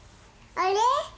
あれ？